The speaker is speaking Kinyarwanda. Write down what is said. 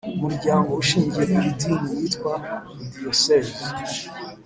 Umuryango Ushingiye ku Idini witwa Diyosezi